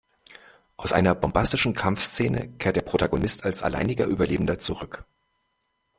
Aus einer bombastischen Kampfszene kehrt der Protagonist als alleiniger Überlebender zurück.